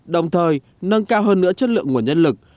đồng thời nâng cao hơn nữa chất lượng nguồn nhân lực